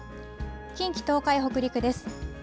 近畿、東海、北陸です。